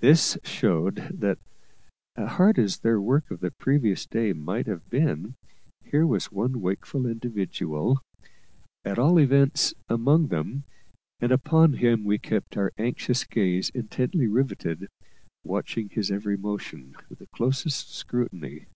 This showed that, hard as their work of the previous day might have been, here was one wakeful individual, at all events, among them; and upon him we kept our anxious gaze intently riveted, watching his every motion with the closest scrutiny.